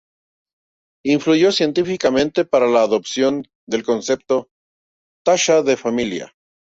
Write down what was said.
Influyó científicamente para la adopción del concepto taxa de familia.